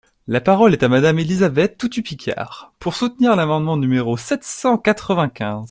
La parole est à Madame Élisabeth Toutut-Picard, pour soutenir l’amendement numéro sept cent quatre-vingt-quinze.